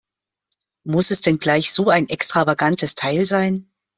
Muss es denn gleich so ein extravagantes Teil sein?